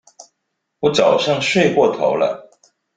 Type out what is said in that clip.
我早上睡過頭了